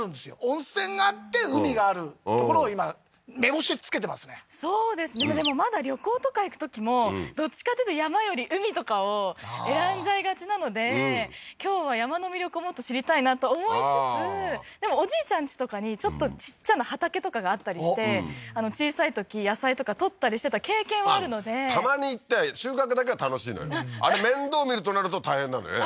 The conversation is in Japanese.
温泉があって海がある所を今目星つけてますねそうですねまあでもまだ旅行とか行くときもどっちかっていうと山より海とかを選んじゃいがちなので今日は山の魅力をもっと知りたいなと思いつつでもおじいちゃんちとかにちょっとちっちゃな畑とかがあったりして小さいとき野菜とか採ったりしてた経験はあるのでたまに行って収穫だけは楽しいのよあれ面倒見るとなると大変なのよ